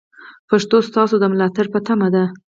پښتو ستاسو د ملاتړ په تمه ده.